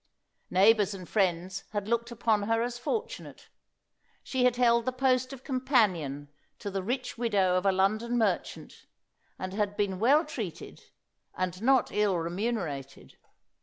Neighbours and friends had looked upon her as fortunate. She had held the post of companion to the rich widow of a London merchant, and had been well treated, and not ill remunerated.